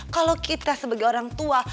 kalau kita sebagai orang tua